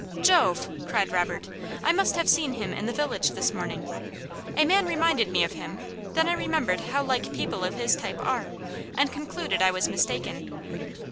"Jove!" cried Robert. "I must have seen him in the village this morning. A man reminded me of him, then I remembered how like people of his type are, and concluded I was mistaken.